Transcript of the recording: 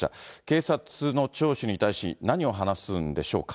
警察の聴取に対し、何を話すんでしょうか。